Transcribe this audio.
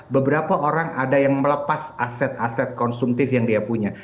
beberapa orang ada yang melepas aset aset konsumtif yang dia punya